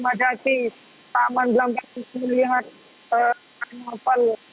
yang dari dalam membeli belah peta terlihat di madasi taman belambang